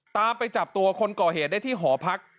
ไปจับตัวคนก่อเหตุได้ที่หอพัก